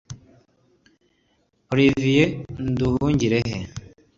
Olivier Nduhungirehe